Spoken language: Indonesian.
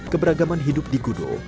keberagaman hidup di gudo